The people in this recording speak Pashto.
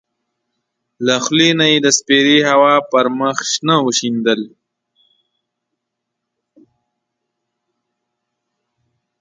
له خولې نه یې د سپېرې هوا پر مخ شنه وشیندل.